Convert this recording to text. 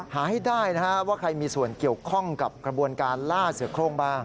หาให้ได้ว่าใครมีส่วนเกี่ยวข้องกับกระบวนการล่าเสือโครงบ้าง